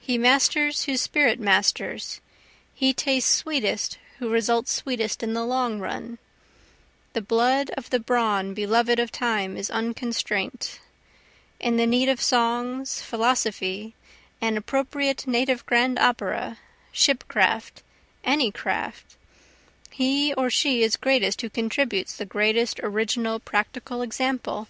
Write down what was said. He masters whose spirit masters, he tastes sweetest who results sweetest in the long run, The blood of the brawn beloved of time is unconstraint; In the need of songs, philosophy, an appropriate native grand opera, shipcraft, any craft, He or she is greatest who contributes the greatest original practical example.